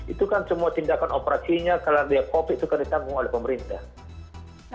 itu kan semua tindakan operasinya karena dia covid itu kan ditanggung oleh pemerintah